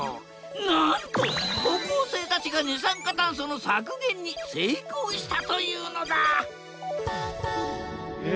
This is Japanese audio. なんと高校生たちが二酸化炭素の削減に成功したというのだえ。